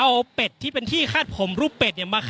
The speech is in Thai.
อย่างที่บอกไปว่าเรายังยึดในเรื่องของข้อ